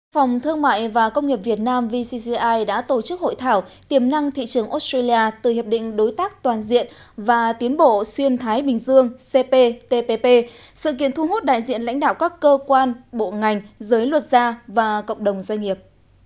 phòng thương mại và công nghiệp việt nam vcgi đã tổ chức hội thảo tiềm năng thị trường australia từ hiệp định đối tác toàn diện và tiến bộ xuyên thái bình dương cptpp sự kiện thu hút đại diện lãnh đạo các cơ quan bộ ngành giới luật gia và cộng đồng doanh nghiệp